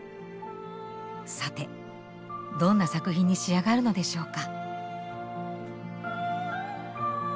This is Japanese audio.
さてどんな作品に仕上がるのでしょうか？